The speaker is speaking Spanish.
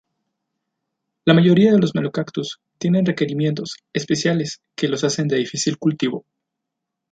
La mayoría de los Melocactus tienen requerimientos especiales que los hacen de difícil cultivo.